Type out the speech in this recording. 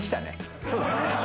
そうですね。